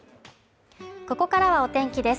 ここからはお天気です。